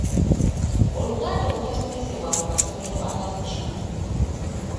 Oluganda obutasomesebwa mu masomero agamu kibi nnyo.